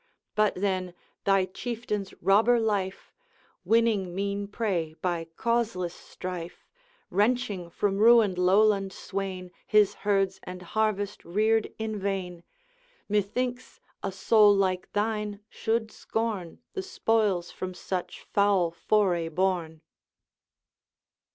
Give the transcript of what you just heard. But then, thy Chieftain's robber life! Winning mean prey by causeless strife, Wrenching from ruined Lowland swain His herds and harvest reared in vain, Methinks a soul like thine should scorn The spoils from such foul foray borne.'